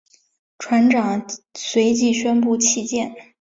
船长随即宣布弃舰。